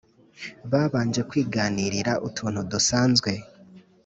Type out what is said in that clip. babanje kwiganirira utuntu dusanzwe